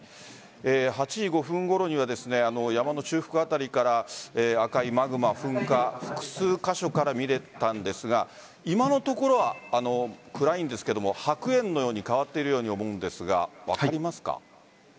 ８時５分ごろには山の中腹辺りから赤いマグマ、噴火複数箇所から見れたんですが今のところは暗いんですが白煙のように変わっているように思うんですが分かりますか？